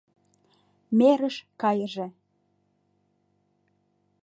— Мерыш кайыже!